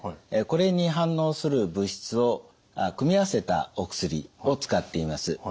これに反応する物質を組み合わせたお薬を使っています。